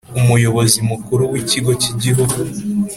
Umuyobozi Mukuru w Ikigo cy Igihugu